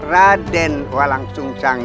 raden walang sungcang